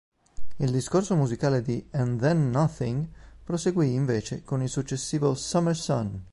Il discorso musicale di "And Then Nothing" proseguì, invece, con il successivo "Summer Sun".